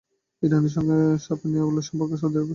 ইরানের সঙ্গে সাপে নেউলে সম্পর্ক সৌদি আরবের।